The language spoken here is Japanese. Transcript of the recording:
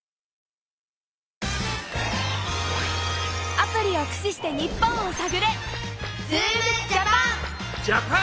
アプリをくしして日本をさぐれ！